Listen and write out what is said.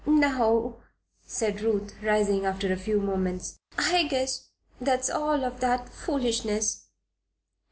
"Now," said Ruth, rising after a few moments, "I guess that's all of that foolishness.